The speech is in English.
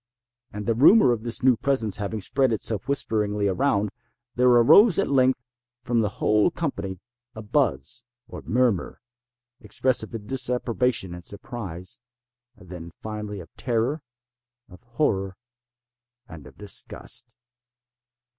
And the rumor of this new presence having spread itself whisperingly around, there arose at length from the whole company a buzz, or murmur, expressive of disapprobation and surprise—then, finally, of terror, of horror, and of disgust.